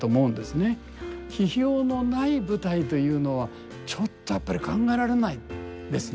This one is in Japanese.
批評のない舞台というのはちょっとやっぱり考えられないですね